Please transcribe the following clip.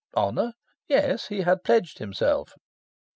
Honour: yes, he had pledged himself.